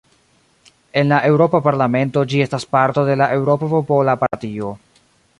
En la Eŭropa Parlamento ĝi estas parto de la Eŭropa Popola Partio.